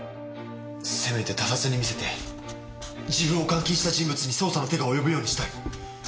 せめて他殺に見せて自分を監禁した人物に捜査の手が及ぶようにしたい。